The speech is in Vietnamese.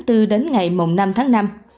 dự báo về tình hình tình trạng